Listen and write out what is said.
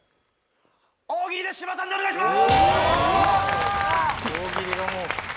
大喜利で芝さんでお願いします！